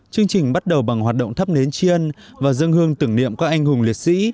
chương trình bắt đầu bằng hoạt động thắp nến tri ân và dân hương tưởng niệm các anh hùng liệt sĩ